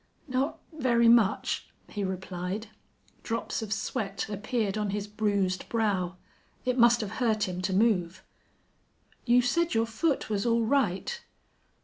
"Not very much," he replied. Drops of sweat appeared on his bruised brow. It must have hurt him to move. "You said your foot was all right."